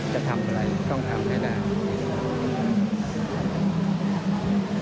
จะทำอะไรต้องทำให้ได้